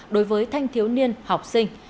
đối với thanh thiếu niên học sinh